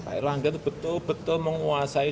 pak erlangga itu betul betul menguasai